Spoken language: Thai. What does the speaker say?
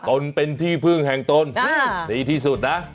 ตนเป็นที่พึ่งแห่งตนดีที่สุดนะ